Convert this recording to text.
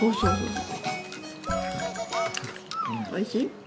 おいしい？